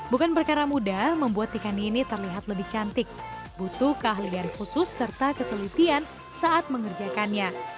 bukan perkara mudah membuat ikan ini terlihat lebih cantik butuh keahlian khusus serta ketelitian saat mengerjakannya